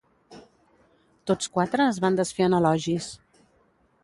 Tots quatre es van desfer en elogis.